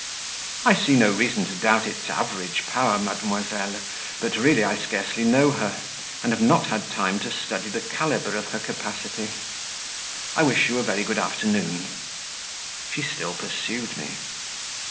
"I see no reason to doubt its average power, mademoiselle, but really I scarcely know her, and have not had time to study the calibre of her capacity. I wish you a very good afternoon." She still pursued me.